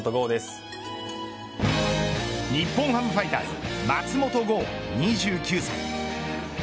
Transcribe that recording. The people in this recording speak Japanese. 日本ハムファイターズ松本剛２９歳。